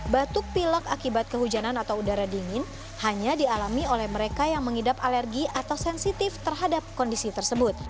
batuk pilak akibat kehujanan atau udara dingin hanya dialami oleh mereka yang mengidap alergi atau sensitif terhadap kondisi tersebut